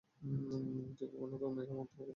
তুই কখনো তোর মায়ের মতো হবি না।